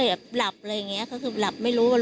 แล้วหลังจากนั้นเราขับหนีเอามามันก็ไล่ตามมาอยู่ตรงนั้น